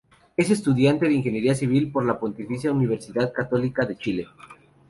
Es estudiante de Ingeniería Civil en la Pontificia Universidad Católica de Chile.